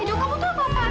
edo apa yang kamu lakukan